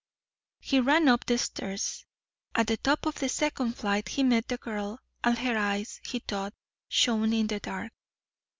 He ran up the stairs. At the top of the second flight he met the girl, and her eyes, he thought, shone in the dark.